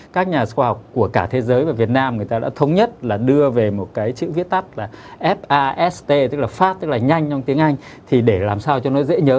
các nhà khoa học của cả thế giới và việt nam đã thống nhất đưa về một chữ viết tắt fast tức là nhanh trong tiếng anh để làm sao cho nó dễ nhớ